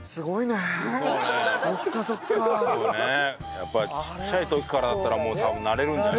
やっぱちっちゃい時からだったらもう多分慣れるんじゃない？